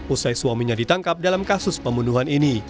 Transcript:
usai suaminya ditangkap dalam kasus pembunuhan ini